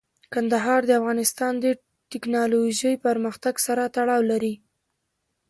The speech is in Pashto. کندهار د افغانستان د تکنالوژۍ پرمختګ سره تړاو لري.